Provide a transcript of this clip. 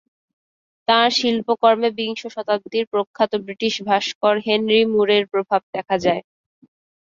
তাঁর শিল্পকর্মে বিংশ শতাব্দীর প্রখ্যাত ব্রিটিশ ভাস্কর হেনরি ম্যুরের প্রভাব দেখা যায়।